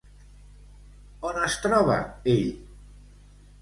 On es troba ell?